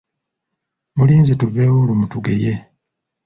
Muliinze tuveewo olwo mutugeye!